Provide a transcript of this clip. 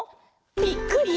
「びっくり！